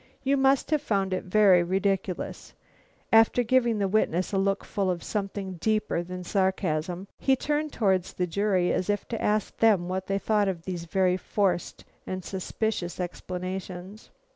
"You must have found it very ridiculous"; and after giving the witness a look full of something deeper than sarcasm, he turned towards the jury as if to ask them what they thought of these very forced and suspicious explanations.